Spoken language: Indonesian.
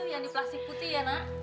itu itu yang di plastik putih ya nak